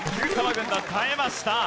軍団耐えました。